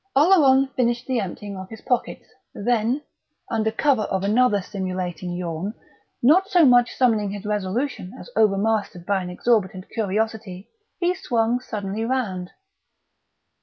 Oleron finished the emptying of his pockets; then, under cover of another simulated yawn, not so much summoning his resolution as overmastered by an exhorbitant curiosity, he swung suddenly round.